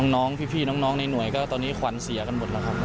พี่น้องในหน่วยก็ตอนนี้ขวัญเสียกันหมดแล้วครับ